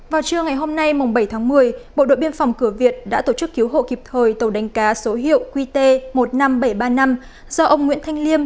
vào trưa ngày hôm nay bảy tháng một mươi bộ đội biên phòng cửa việt đã tổ chức cứu hộ kịp thời tàu đánh cá số hiệu qt một mươi năm nghìn bảy trăm ba mươi năm do ông nguyễn thanh liêm